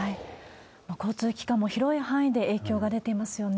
交通機関も広い範囲で影響が出ていますよね。